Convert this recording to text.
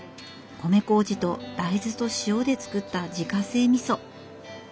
米こうじと大豆と塩でつくった自家製みそ。